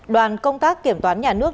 đoàn công tác kiểm toán nhà nước